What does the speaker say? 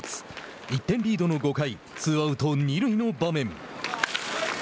１点リードの５回ツーアウト、二塁の場面。